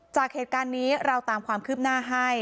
จากเหตุการณ์นี้เราตามความคืบหน้าให้